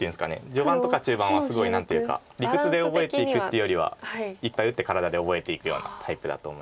序盤とか中盤はすごい何ていうか理屈で覚えていくというよりはいっぱい打って体で覚えていくようなタイプだと思います。